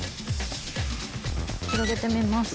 広げてみます。